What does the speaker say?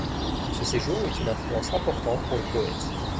Ce séjour eut une influence importante pour le poète.